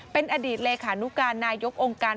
เป็นอดีตเลขานุการนายกองค์การ